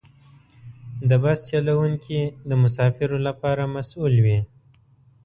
د بس چلوونکي د مسافرو لپاره مسؤل وي.